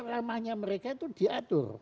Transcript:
ramahnya mereka itu diatur